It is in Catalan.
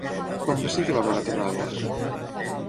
Quan va ser que vam anar a Torralba?